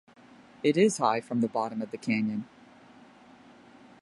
It is high from the bottom of the canyon.